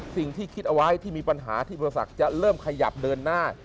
สิ่งที่คิดเอาไว้ที่มีปัญหาที่โปรศักดิ์จะเริ่มขยับเดินหน้า